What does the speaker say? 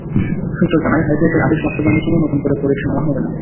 সূত্র জানায়, হাইকোর্টের আদেশ বাস্তবায়নের জন্য নতুন করে পরীক্ষা নেওয়া হবে না।